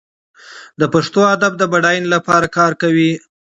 دی د پښتو ادب د بډاینې لپاره کار کوي.